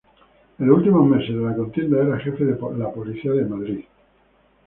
En los últimos meses de la contienda era jefe de la policía en Madrid.